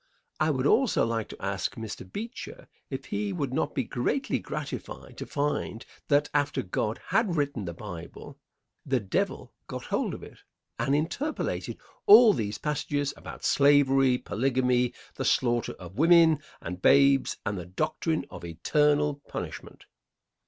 I would also like to ask Mr. Beecher if he would not be greatly gratified to find that after God had written the Bible the Devil had got hold of it, and interpolated all these passages about slavery, polygamy, the slaughter of women and babes and the doctrine of eternal punishment?